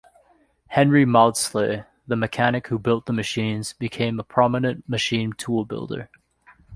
Henry Maudslay, the mechanic who built the machines, became a prominent machine tool builder.